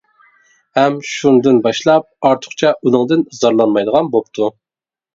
ھەم شۇندىن باشلاپ ئارتۇقچە ئۇنىڭدىن زارلانمايدىغان بوپتۇ.